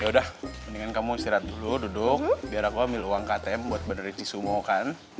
ah ya udah mendingan kamu istirahat dulu duduk biar aku ambil uang katem buat benerin si sumo kan